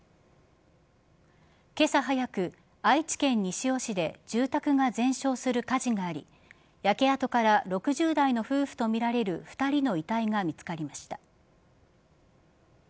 今朝早く愛知県西尾市で住宅が全焼する火事があり焼け跡から６０代の夫婦とみられる２人の遺体が見つかりました。